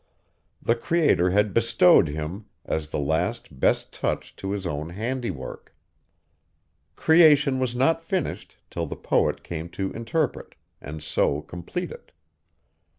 The Creator had bestowed him, as the last best touch to his own handiwork. Creation was not finished till the poet came to interpret, and so complete it.